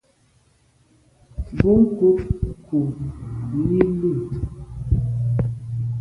Bon nkùt nku yi li.